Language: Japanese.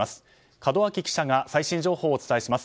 門脇記者が最新情報をお伝えします。